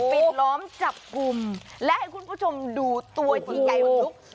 ปิดล้อมจับกุมและให้คุณผู้ชมดูตัวที่ใหญ่เหมือนลูก